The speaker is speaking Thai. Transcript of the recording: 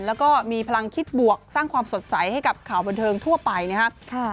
แล้วก็มีพลังคิดบวกสร้างความสดใสให้กับข่าวบันเทิงทั่วไปนะครับ